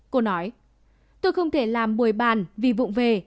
cô nói tôi không thể làm buổi bàn vì vụn về